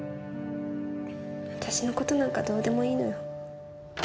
私の事なんかどうでもいいのよ。